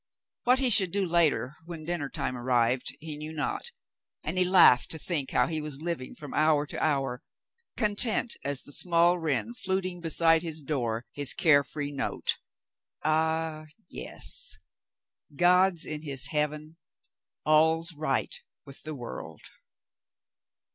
What he should do later, when dinner time arrived, he knew not, and he laughed to think how he was living from hour to hour, content as the small wren fluting beside his door his care free note. Ah, yes ! "God's in His heaven, all's right with the world."